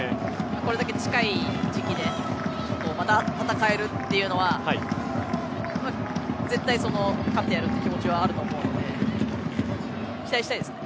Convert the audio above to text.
これだけ近い時期で、また戦えるというのは絶対その勝ってやるという気持ちはあると思うので期待したいですね。